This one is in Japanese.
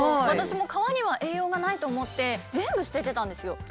私も皮には栄養がないと思って全部捨ててたんですよ。